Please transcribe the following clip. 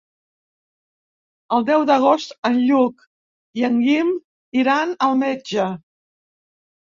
El deu d'agost en Lluc i en Guim iran al metge.